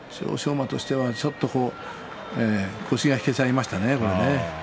馬としてはちょっと腰が引けていましたね。